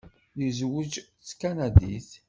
Yezweǧ d tkanadit.